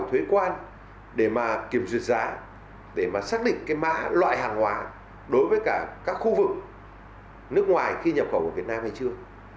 thuế quan để mà kiểm duyệt giá để mà xác định cái mã loại hàng hóa đối với cả các khu vực nước ngoài khi nhập khẩu của việt nam hay chưa